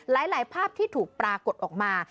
หลายภาพที่ถูกปรากฏออกมา